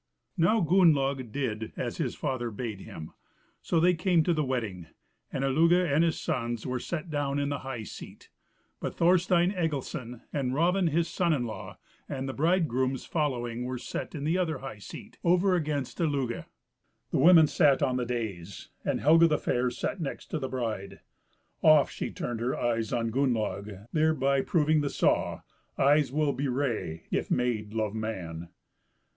Now Gunnlaug did as his father bade him; so they came to the wedding, and Illugi and his sons were set down in the high seat; but Thorstein Egilson, and Raven his son in law, and the bridegroom's following, were set in the other high seat, over against Illugi. The women sat on the dais, and Helga the Fair sat next to the bride. Oft she turned her eyes on Gunnlaug, thereby proving the saw, "Eyes will bewray if maid love man."